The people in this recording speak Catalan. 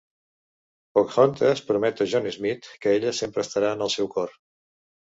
Pocahontas promet a John Smith que ella sempre estarà en el seu cor.